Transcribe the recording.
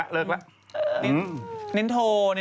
โทรศัพท์เพ้าแทนไม่